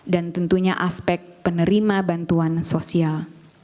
dan tentunya aspek penerima bantuan sosial